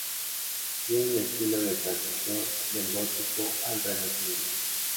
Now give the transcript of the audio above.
Tiene un estilo de transición del gótico al renacimiento.